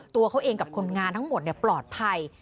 ตัวเขาเองกับคนงานทั้งหมดปลอดภัย